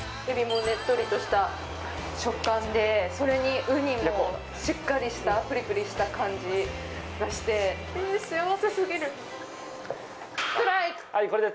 ねっとりとした食感で、それにウニもしっかりしたプリプリした感じがして幸せすぎる。